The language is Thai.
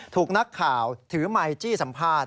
ถูกนักข่าวถือไมค์จี้สัมภาษณ